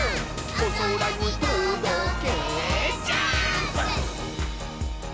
「おそらにとどけジャンプ！！」